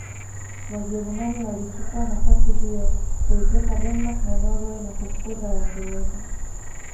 Wajerumani walichukua nafasi hiyo kuiteka Denmark na Norway na kufukuza Waingereza